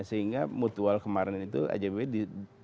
sehingga mutual kemarin itu ajb bumi putra